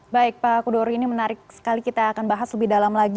baik pak kudori ini menarik sekali kita akan bahas lebih dalam lagi